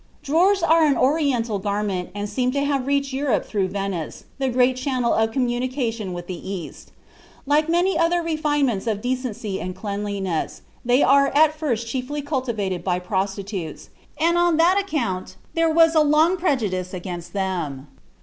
Drawers are an Oriental garment, and seem to have reached Europe through Venice, the great channel of communication with the East. Like many other refinements of decency and cleanliness, they were at first chiefly cultivated by prostitutes, and, on this account, there was long a prejudice against them.